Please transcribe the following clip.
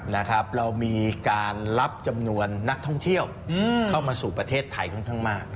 เรามีการรับจำนวนนักท่องเที่ยวเข้ามาสู่ประเทศไทยค่อนข้างมาก